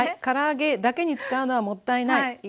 から揚げだけに使うのはもったいない。